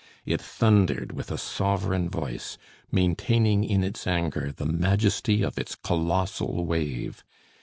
It thundered with a sovereign voice, maintaining in its anger the majesty of its colossal wave.